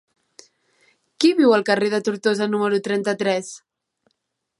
Qui viu al carrer de Tortosa número trenta-tres?